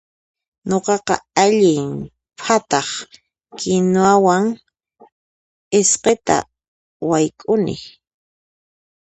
Nuqaqa allin phataq kinuwawan p'isqita wayk'ukuni.